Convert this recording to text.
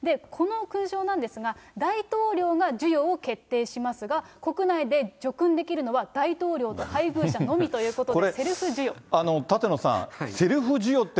この勲章なんですが、大統領が授与を決定しますが、国内で叙勲できるのは大統領と配偶者のみということでセルフ授与。